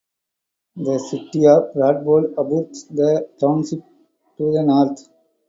The city of Bradford abuts the township to the north.